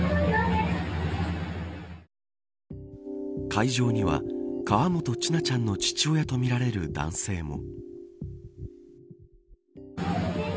会場には、河本千奈ちゃんの父親とみられる男性も。